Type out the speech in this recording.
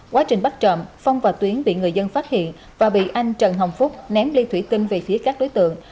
quá trình bắt trộm phong và tuyến bị người dân phát hiện và bị anh trần hồng phúc ném ly thủy tinh về phía các đối tượng